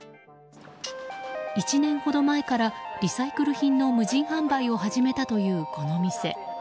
１年ほど前からリサイクル品の無人販売を始めたという、この店。